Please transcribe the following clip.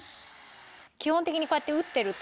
基本的にこうやって打ってると。